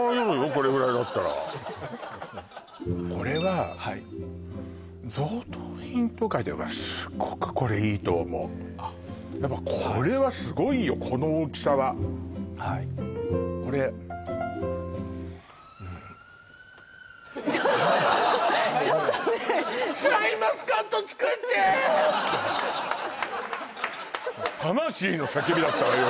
これぐらいだったらこれははい贈答品とかではすごくこれいいと思うやっぱこれはすごいよこの大きさははいこれちょっとねえってだったわよ